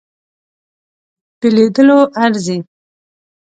په لیدلو ارزي.